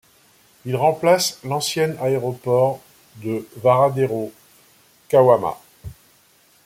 Il remplace l'ancien aéroport de Varadero-Kawama.